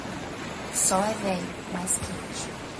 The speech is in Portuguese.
O sol é velho, mas quente.